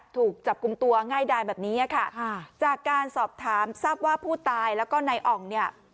ถูกจับกลุ่มตัวง่ายดายแบบนี้ค่ะจากการสอบถามทราบว่าผู้ตายแล้วก็นายอ่องเนี่ย